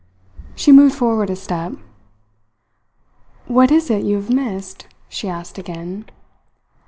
She moved forward a step. "What is it you have missed?" she asked again.